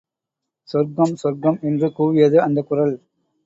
சொர்க்கம் சொர்க்கம் என்று கூவியது அந்தக் குரல்.